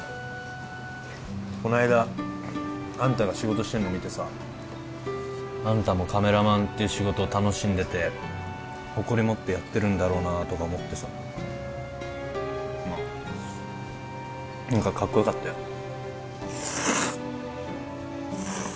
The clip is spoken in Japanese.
この間あんたが仕事してんの見てさあんたもカメラマンっていう仕事楽しんでて誇り持ってやってるんだろうなとか思ってさまあ何かカッコよかったよ